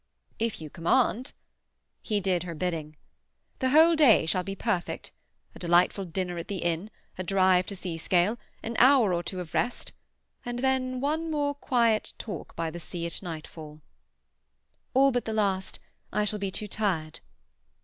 "If you command—" He did her bidding. "The whole day shall be perfect. A delightful dinner at the inn, a drive to Seascale, an hour or two of rest, and then one more quiet talk by the sea at nightfall." "All but the last. I shall be too tired."